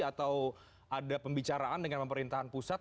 atau ada pembicaraan dengan pemerintahan pusat